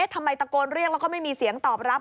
ตะโกนเรียกแล้วก็ไม่มีเสียงตอบรับ